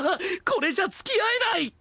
これじゃ付き合えない！